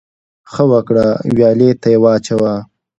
ـ ښه وکړه ، ويالې ته يې واچوه.